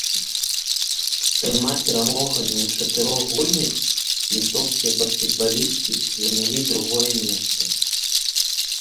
З трыма перамогамі ў чатырох гульнях літоўскія баскетбалісткі занялі другое месца.